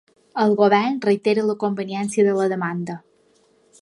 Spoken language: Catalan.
El govern reitera la conveniència de la demanda